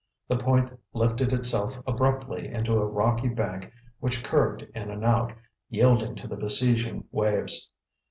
The point lifted itself abruptly into a rocky bank which curved in and out, yielding to the besieging waves.